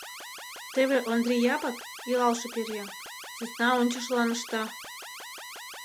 Теве Ондри Япык, илалше пӧръеҥ, сӧсна ончышылан ышта.